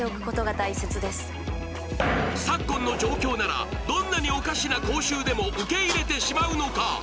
昨今の状況ならどんなにおかしな講習でも受け入れてしまうのか？